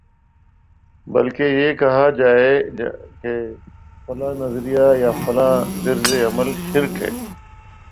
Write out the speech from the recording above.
بلکہ یہ کہا جائے گا فلاں نظریہ یا فلاں طرزِ عمل شرک ہے